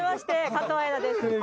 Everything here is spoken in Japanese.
加藤綾菜です。